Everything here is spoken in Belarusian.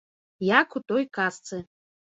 Як у той казцы.